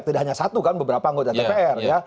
tidak hanya satu kan beberapa anggota dpr